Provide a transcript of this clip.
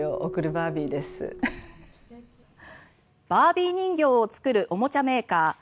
バービー人形を作るおもちゃメーカー